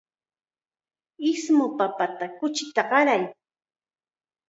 Ismu papata kuchita qaray.